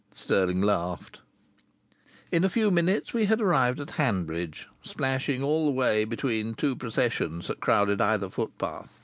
Stirling laughed. In a few minutes we had arrived at Hanbridge, splashing all the way between two processions that crowded either footpath.